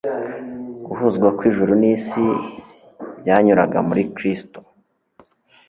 guhuzwa kw'ijuru n'isi byanyuraga muri Kristo